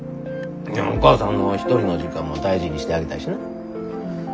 おかあさんの一人の時間も大事にしてあげたいしな。